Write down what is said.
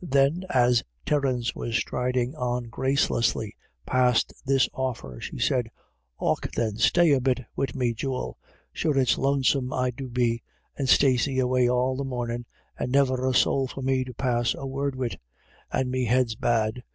Then as Terence was striding on gracelessly past this offer, she said : M Och then, stay a bit wid me, jewel ; sure it's lonesome I do be, and Stacey away all the morning and niver a sowl for me to pass a word wid. And me head's bad.